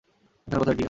এখানে কোথায়, টিয়া?